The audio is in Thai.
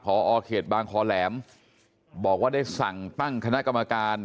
พอเขตบางคอแหลมบอกว่าได้สั่งตั้งคณะกรรมการ